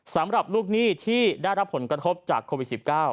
สำหรับลูกหนี้ที่ได้รับผลกระทบจากโควิด๑๙